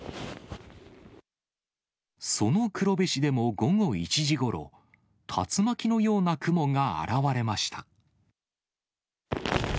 その黒部市でも午後１時ごろ、竜巻のような雲が現れました。